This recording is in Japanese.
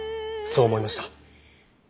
そう思いました。